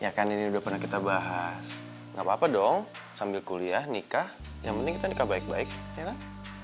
ya kan ini udah pernah kita bahas nggak apa apa dong sambil kuliah nikah yang penting kita nikah baik baik ya kan